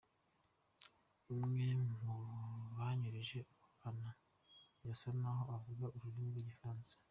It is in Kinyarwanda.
Umwe mu banyuruje abo bana yasa naho avuga ururimi rw'igifaransa.